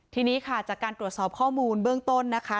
ทีนี้ค่ะจากการตรวจสอบข้อมูลเบื้องต้นนะคะ